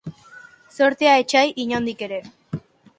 Zortea etsai, inondik ere.